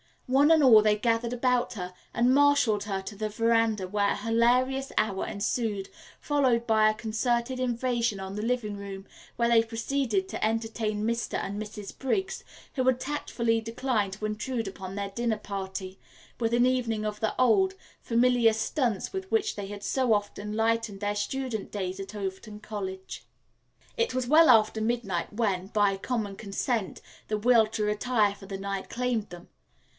One and all they gathered about her and marshalled her to the veranda where a hilarious hour ensued, followed by a concerted invasion on the living room, where they proceeded to entertain Mr. and Mrs. Briggs, who had tactfully declined to intrude upon the dinner party, with an evening of the old, familiar stunts with which they had so often lightened their student days at Overton College. It was well after midnight when, by common consent, the will to retire for the night claimed them.